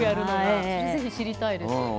ぜひ知りたいです。